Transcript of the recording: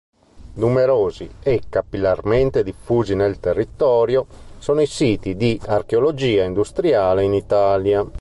Numerosi e capillarmente diffusi nel territorio sono i siti di archeologia industriale in Italia.